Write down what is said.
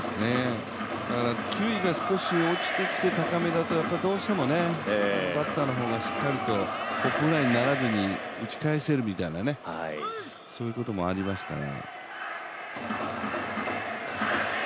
だから球威が少し落ちてきて高めだとどうしてもね、バッターの方がしっかり打ち返せるみたいなそういうこともありますから。